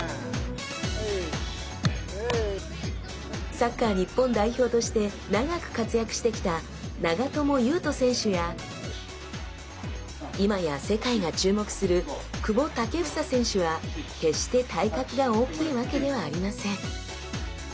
サッカー日本代表として長く活躍してきた長友佑都選手や今や世界が注目する久保建英選手は決して体格が大きいわけではありません。